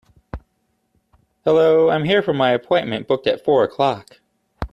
Hello, I am here for my appointment booked at four o'clock.